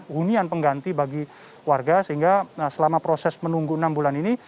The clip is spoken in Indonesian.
hunian pengganti bagi warga sehingga selama proses menunggu enam bulan ini